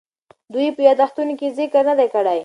دوی یې په یادښتونو کې ذکر نه دی کړی.